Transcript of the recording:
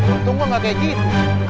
untung gue gak kayak gitu